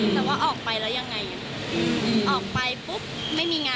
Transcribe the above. เข็มสิคะใครจะอยากโดนแบบนี้ละ